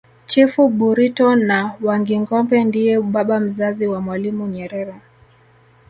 chifu burito wa wangingombe ndiye baba mzazi wa mwalimu nyerere